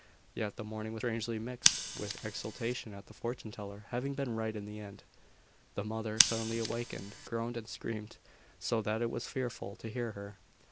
Yet the mourning was strangely mixed with exultation at the fortune teller having been right in the end. The mother, suddenly awakened, groaned and screamed, so that it was fearful to hear her.